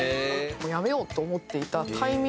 もうやめようと思っていたタイミングで。